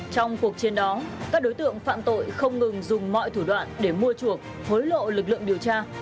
trong cuộc chiến đó các đối tượng phạm tội không ngừng dùng mọi thủ đoạn để mua chuộc hối lộ lực lượng điều tra